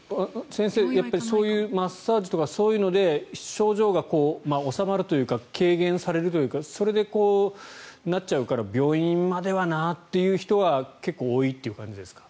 先生、そういうマッサージとかそういうので症状が治まるというか軽減されるというかそれでこうなっちゃうから病院まではなという方は結構、多いという感じですか？